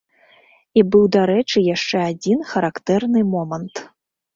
І быў, дарэчы, яшчэ адзін характэрны момант.